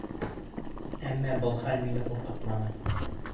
Әммә был хәл мине ҡурҡытманы.